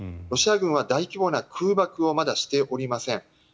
ロシア軍は大規模な空爆をまだしておりません。